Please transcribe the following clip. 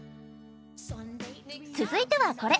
続いてはこれ！